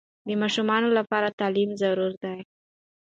د ماشومانو لپاره تعلیم ضروري ده